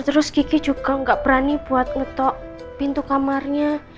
terus kiki juga nggak berani buat ngetok pintu kamarnya